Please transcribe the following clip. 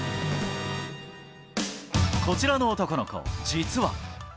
こちらの男の子、実は。